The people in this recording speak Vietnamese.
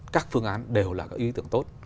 các phương án đều là ý tưởng tốt